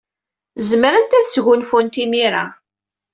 Zemrent ad sgunfunt imir-a.